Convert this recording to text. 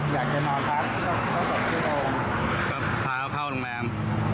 อยากจะนอนครับก็พาเขาเข้าตรงแรม